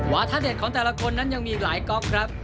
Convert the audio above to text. ท่าเด็ดของแต่ละคนนั้นยังมีอีกหลายก๊อกครับ